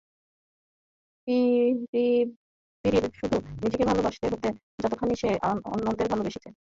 পিবির শুধু নিজেকে ভালোবাসতে হবে যতখানি সে অন্যদের ভালোবাসে।